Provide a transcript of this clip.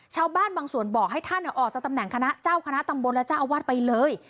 ชาวบ้านบางส่วนบอกให้ท่านออกจากตำแหน่งคณะเจ้าคณะตำบลและเจ้าอาวาสไปเลย